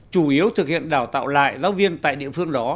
chủ yếu thực hiện đào tạo lại giáo viên tại địa phương đó